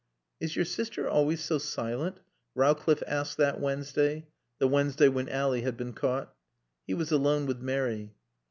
"Is your sister always so silent?" Rowcliffe asked that Wednesday (the Wednesday when Ally had been caught). He was alone with Mary.